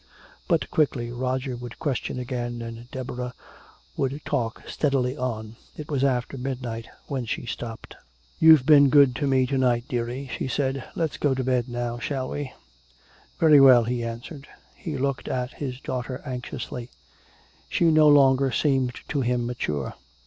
But quickly Roger would question again and Deborah would talk steadily on. It was after midnight when she stopped. "You've been good to me to night, dearie," she said. "Let's go to bed now, shall we?" "Very well," he answered. He looked at his daughter anxiously. She no longer seemed to him mature.